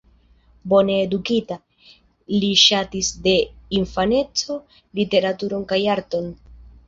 Bone edukita, li ŝatis de infaneco literaturon kaj arton.